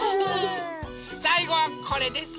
さいごはこれです。